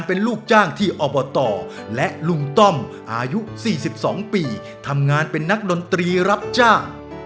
เป็นลูกจ้างที่อบตและลุงต้อมอายุ๔๒ปีทำงานเป็นนักดนตรีรับจ้าง